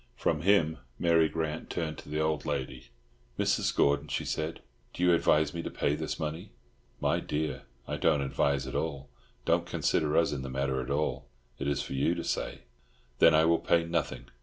From him Mary Grant turned to the old lady. "Mrs. Gordon," she said, "do you advise me to pay this money?" "My dear, I don't advise at all. Don't consider us in the matter at all. It is for you to say." "Then I will pay nothing.